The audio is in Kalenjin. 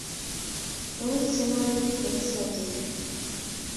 Mamache chemarket en Sotik